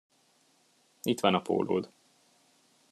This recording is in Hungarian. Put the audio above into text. Itt van a pólód.